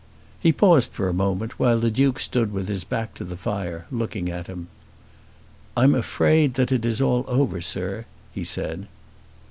He paused for a moment, while the Duke stood with his back to the fire looking at him. "I'm afraid that it is all over, sir," he said.